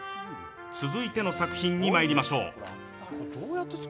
続いての作品にまいりましょう。